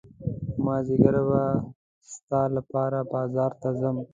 مازدیګر به ستا لپاره بازار ته ځم.